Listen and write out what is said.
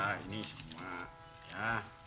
ya mak ini sama ya